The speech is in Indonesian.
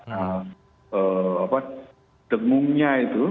ee apa dengungnya itu